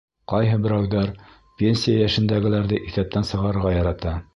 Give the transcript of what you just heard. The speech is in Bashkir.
Ҡайһы берәүҙәр пенсия йәшендәгеләрҙе иҫәптән сығарырға ярата.